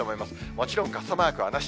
もちろん傘マークはなし。